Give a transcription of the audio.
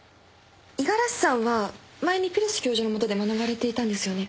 五十嵐さんは前にピレス教授のもとで学ばれていたんですよね？